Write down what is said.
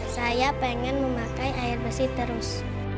hai saya pengen memakai air bersih terus